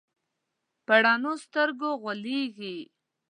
په رڼو سترګو غولېږي.